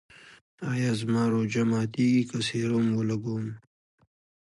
ایا زما روژه ماتیږي که سیروم ولګوم؟